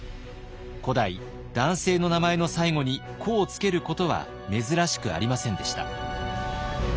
古代男性の名前の最後に「子」を付けることは珍しくありませんでした。